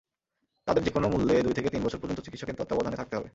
তাঁদের যেকোনো মূল্যে দুই থেকে তিন বছর পর্যন্ত চিকিৎসকের তত্ত্বাবধানে থাকতে হবে।